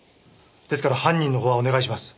ですから犯人のほうはお願いします。